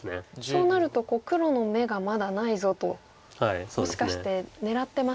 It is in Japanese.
そうなると黒の眼がまだないぞともしかして狙ってますか。